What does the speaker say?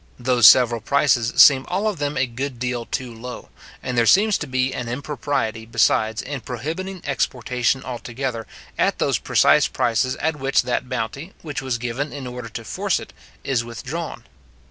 Those several prices seem all of them a good deal too low; and there seems to be an impropriety, besides, in prohibiting exportation altogether at those precise prices at which that bounty, which was given in order to force it, is withdrawn.